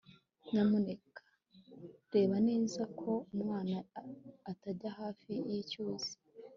nyamuneka reba neza ko umwana atajya hafi yicyuzi